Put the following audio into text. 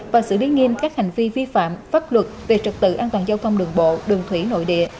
và xử lý nghiêm các hành vi vi phạm pháp luật về trật tự an toàn giao thông đường bộ đường thủy nội địa